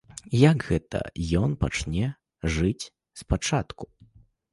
Як гэта ён пачне жыць спачатку?